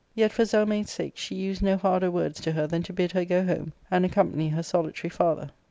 Yet, for Zelmane's sake, she used no harder words to her , than to bid her go home and accompany her solitary father.